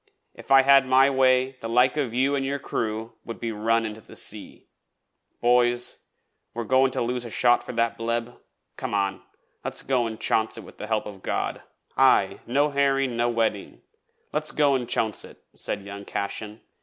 If I had my way, the like of you an' your crew would be run into the sea. Boys, are we goin' to lose a shot for that bleb? Come on, let's go an' chonce it with the help of God.' 'Aye, no herring, no wedding. Let's go an' chonce it,' said young Cashen.